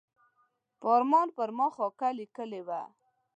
فاران پر ما خاکه لیکلې وه.